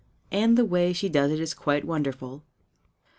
And the way she does it is quite wonderful.